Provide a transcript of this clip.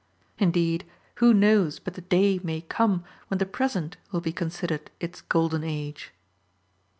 Indeed, who knows but the day may come when the present will be considered its golden age.